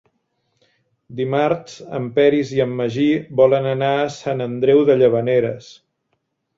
Dimarts en Peris i en Magí volen anar a Sant Andreu de Llavaneres.